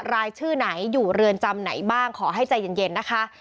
รายชื่อไหนอยู่เรือนจำไหนบ้างขอให้ใจเย็นนะคะ